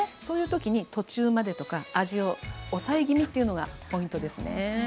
そういう時に途中までとか味を抑え気味というのがポイントですね。